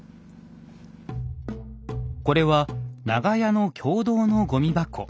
これは長屋の共同のごみ箱。